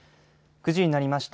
９時になりました。